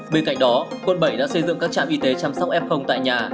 bên cạnh đó quận bảy đã xây dựng các trạm y tế chăm sóc f tại nhà